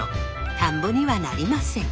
田んぼにはなりません。